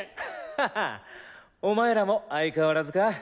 ハハッお前らも相変わらずか？